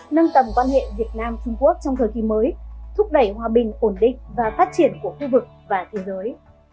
nâng tầm quan hệ việt nam trung quốc trong thời kỳ mới thúc đẩy hòa bình ổn định và phát triển của khu vực và thế giới